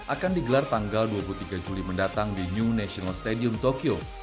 akan digelar tanggal dua puluh tiga juli mendatang di new national stadium tokyo